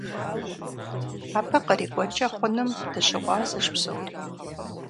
Абы кърикӀуэнкӀэ хъунум дыщыгъуазэщ псори.